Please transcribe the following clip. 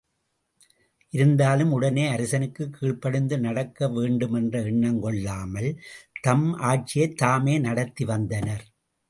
இருந்தாலும் உடனே அரசனுக்குக் கீழ்படிந்து நடக்க வேண்டுமென்ற எண்ணங் கொள்ளாமல், தம் ஆட்சியைத் தாமே நடத்தி வந்தனர்.